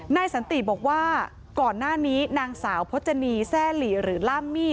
สันติบอกว่าก่อนหน้านี้นางสาวพจนีแซ่หลีหรือล่ามมี่